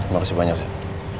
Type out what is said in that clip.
makasih banyak sayang